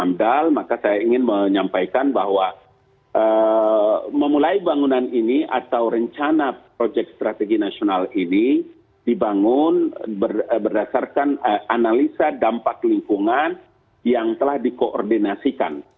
amdal maka saya ingin menyampaikan bahwa memulai bangunan ini atau rencana proyek strategi nasional ini dibangun berdasarkan analisa dampak lingkungan yang telah dikoordinasikan